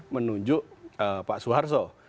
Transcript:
menunjuk pak suharzo